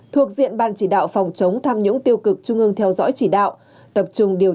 thuộc diện ban chỉ đạo phòng chống tham nhũng tiêu cực trung ương theo dõi chỉ đạo tập trung điều